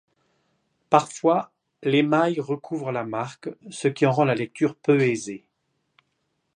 Parfois l'émail recouvre la marque, ce qui en rend la lecture peu aisée.